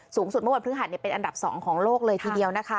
เมื่อวันพฤหัสเป็นอันดับ๒ของโลกเลยทีเดียวนะคะ